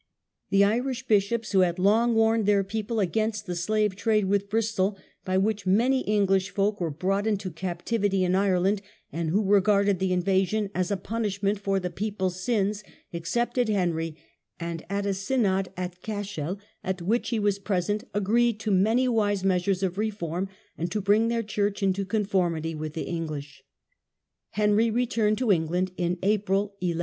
The Irish bishops, who had long warned their people against the slave trade with Bristol, by which many English folk were brought into captivity in Ireland, and The English who regarded the invasion as a punishment •ettiement. fQ,. ^j^g people's sins, accepted Henry, and in a Synod at Cashel, at which he was present, agreed to many wise measures of reform, and to bring their church into conformity with the English. Henry returned to England in April, 1172.